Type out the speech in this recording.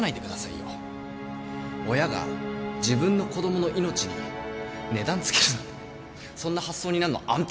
親が自分の子供の命に値段つけるなんてそんな発想になんのあんたぐらいっすよ。